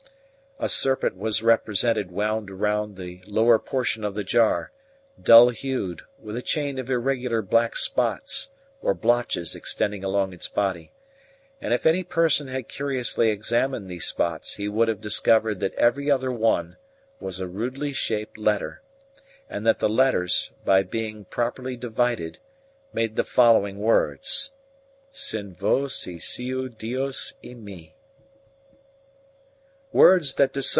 A serpent was represented wound round the lower portion of the jar, dull hued, with a chain of irregular black spots or blotches extending along its body; and if any person had curiously examined these spots he would have discovered that every other one was a rudely shaped letter, and that the letters, by being properly divided, made the following words: Sin vos y siu dios y mi.